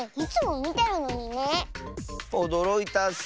おどろいたッス！